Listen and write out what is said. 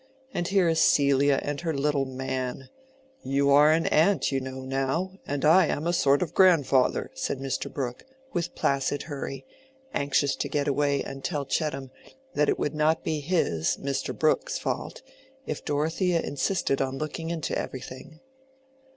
And here is Celia and her little man—you are an aunt, you know, now, and I am a sort of grandfather," said Mr. Brooke, with placid hurry, anxious to get away and tell Chettam that it would not be his (Mr. Brooke's) fault if Dorothea insisted on looking into everything.